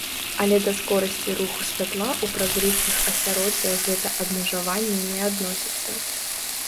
Але да скорасці руху святла ў празрыстых асяроддзях гэта абмежаванне не адносіцца.